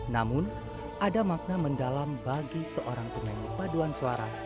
namun ada makna mendalam bagi seorang penyanyi paduan suara